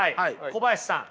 小林さん。